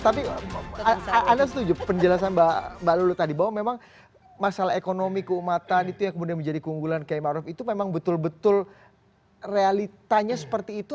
tapi anda setuju penjelasan mbak lulu tadi bahwa memang masalah ekonomi keumatan itu yang kemudian menjadi keunggulan km arief itu memang betul betul realitanya seperti itu